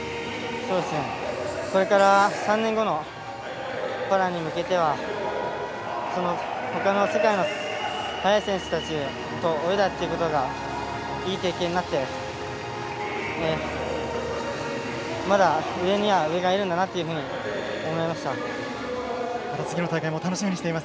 これから３年後のパリに向けてはほかの世界の速い選手たちと泳いだということがいい経験になってまだ上には上がいるんだなとまた次の大会も楽しみにしています。